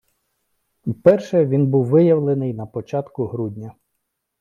Вперше він був виявлений на початку грудня.